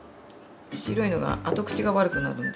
白いのが後口が悪くなるんで。